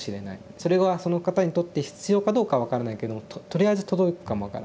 それがその方にとって必要かどうか分からないけどもとりあえず届くかも分からない。